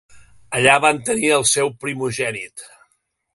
Allà van tenir al seu primogènit.